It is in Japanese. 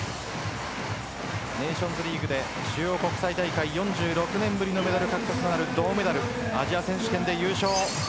ネーションズリーグで主要国際大会４６年ぶりのメダル獲得となる銅メダルアジア選手権で優勝。